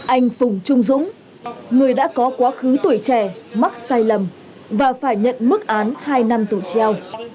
anh phùng trung dũng người đã có quá khứ tuổi trẻ mắc sai lầm và phải nhận mức án hai năm tù treo